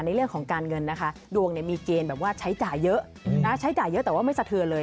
ในเรื่องของการเงินนะคะดวงมีเกณฑ์แบบว่าใช้จ่ายเยอะนะใช้จ่ายเยอะแต่ว่าไม่สะเทือนเลย